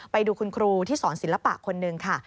ไปดูคุณครูที่สอนศิลปะคนหนึ่งค่ะ